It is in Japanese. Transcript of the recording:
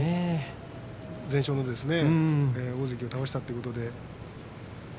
全勝の大関を倒したということで。